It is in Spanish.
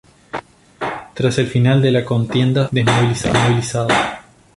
Tras el final de la contienda fue desmovilizado.